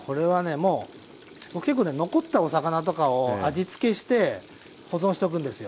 もう僕結構ね残ったお魚とかを味つけして保存しとくんですよ。